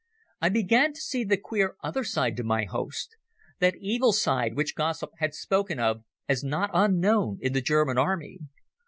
I began to see the queer other side to my host, that evil side which gossip had spoken of as not unknown in the German army.